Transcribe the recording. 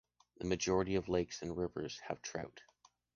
The majority of lakes and rivers have trout.